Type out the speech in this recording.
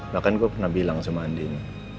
bahkan gue pernah bilang sama andin